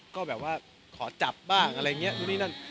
ก็แบบว่าขอจับบ้างอะไรอย่างนี้นู่นนี่นั่น